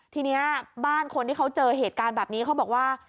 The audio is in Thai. ทีนี้บ้านคนที่เขาเจอเหตุการณ์แบบนี้เขาบอกว่า